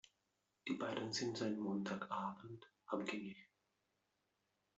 Die beiden sind seit Montag Abend abgängig.